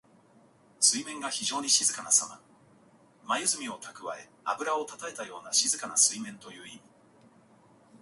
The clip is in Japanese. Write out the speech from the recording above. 水面が非情に静かなさま。まゆずみをたくわえ、あぶらをたたえたような静かな水面という意味。